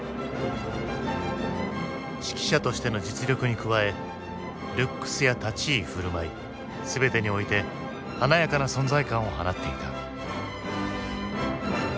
指揮者としての実力に加えルックスや立ち居振る舞い全てにおいて華やかな存在感を放っていた。